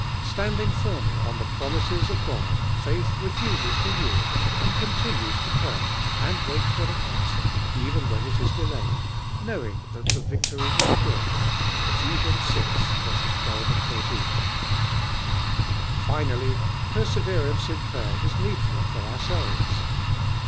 Standing ] (irmly on the promises of Hod, faith refus es to yield and continues to pray, and waij for the answer, even when it is delayed ; knowing that the victory is sure (Eph. vi. \ 12, 13), ■—' ditibe nn.\xinG. Finally, perseverance in prayer is need ful for ourselves.